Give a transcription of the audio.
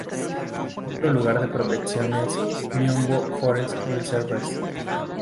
Otro lugar de protección es "Miombo Forest Reserves".